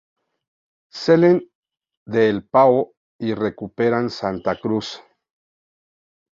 Salen de El Pao y recuperan Santa Cruz.